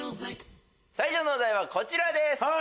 最初のお題はこちらです。